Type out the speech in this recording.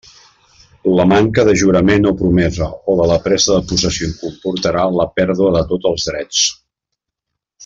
La manca de jurament o promesa o de la presa de possessió comportarà la pèrdua de tots els drets.